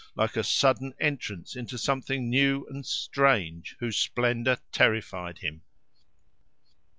like a sudden entrance into something new and strange, whose splendour terrified him.